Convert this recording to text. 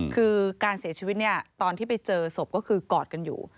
คือการเสียชีวิตเนี่ยตอนที่ไปเจอศพก็คือกอดกันอยู่